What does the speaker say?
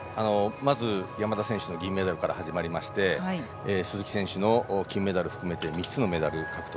まず山田選手の銀メダルから始まりまして鈴木選手の金メダルを含めて３つのメダル獲得。